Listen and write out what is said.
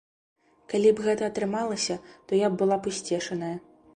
Калі б гэта атрымалася, то я была б усцешаная.